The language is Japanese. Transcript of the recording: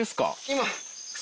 今。